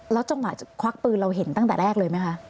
จังหวะควักปืนเราเห็นตั้งแต่แรกเลยไหมคะ